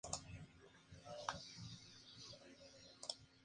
La mujer volvió a su pueblo natal poco tiempo antes de morir.